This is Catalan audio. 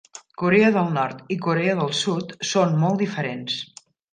Corea del Nord i Corea del Sud són molt diferents.